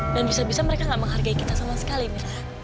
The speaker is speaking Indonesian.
dan bisa bisa mereka gak menghargai kita sama sekali mira